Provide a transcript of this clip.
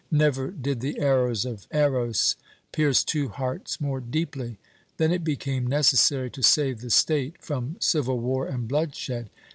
Never did the arrows of Eros pierce two hearts more deeply. Then it became necessary to save the state from civil war and bloodshed.